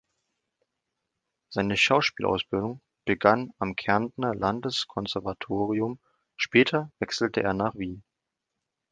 Seine Schauspielausbildung begann er am Kärntner Landeskonservatorium, später wechselte er nach Wien.